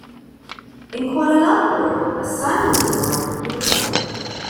In Kuala Lumpur, a son was born to the couple.